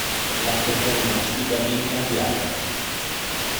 La toponomastica viene cambiata.